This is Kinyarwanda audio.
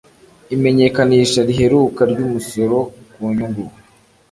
imenyekanisha riheruka ryumusoro kunyungu